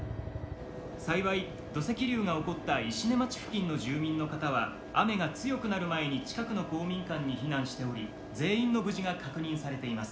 幸い土石流が起こった石音町付近の住民の方は雨が強くなる前に近くの公民館に避難しており全員の無事が確認されています」。